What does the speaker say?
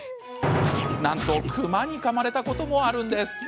なんと熊にかまれたこともあるんです。